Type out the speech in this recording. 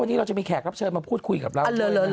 วันนี้เราจะมีแขกรับเชิญมาพูดคุยกับเรา